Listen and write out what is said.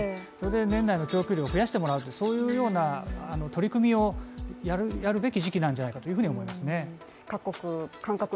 それで年内の供給量を増やしてもらうとそういうような取り組みを、やる、やるべき時期なんじゃないかというふうに思いますね。